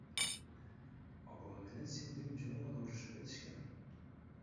Апам менен сиңдим жөн гана урушуп кетишкен.